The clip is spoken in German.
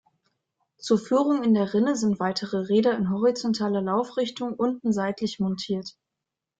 Zur Führung in der Rinne sind weitere Räder in horizontaler Laufrichtung unten seitlich montiert.